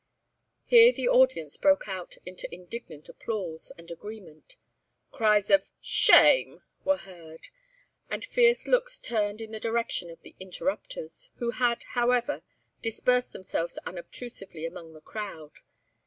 Here the audience broke out into indignant applause and agreement; cries of "Shame!" were heard, and fierce looks turned in the direction of the interrupters, who had, however, dispersed themselves unobtrusively among the crowd.